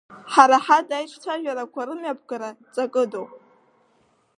Ҳара ҳада аиҿцәажәарақәа рымҩаԥгара ҵакыдоуп.